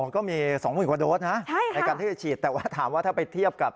ก็มี๒๐๐๐กว่าโดสนะในการที่จะฉีดแต่ว่าถามว่าถ้าไปเทียบกับ